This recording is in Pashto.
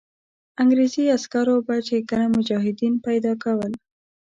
انګرېزي عسکرو به چې کله مجاهدین پیدا کول.